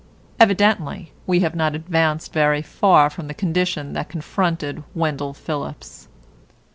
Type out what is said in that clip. Evidently we have not advanced very far from the condition that confronted Wendell Phillips.